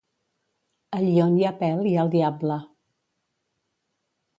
Allí on hi ha pèl hi ha el diable.